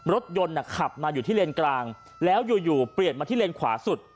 รถยนต์ขับมาอยู่ที่เลนกลางแล้วอยู่เปลี่ยนมาที่เลนขวาสุด